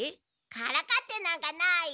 からかってなんかない。